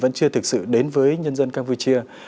vẫn chưa thực sự đến với nhân dân campuchia